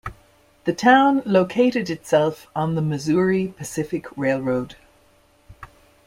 The town located itself on the Missouri Pacific Railroad.